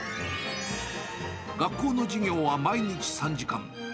学校の授業は毎日３時間。